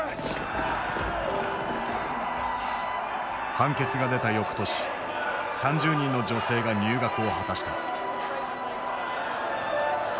判決が出たよくとし３０人の女性が入学を果たした。